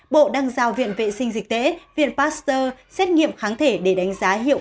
bộ đang giao viện vệ sinh dịch tễ viện pasteur xét nghiệm kháng thể để đánh giá hiệu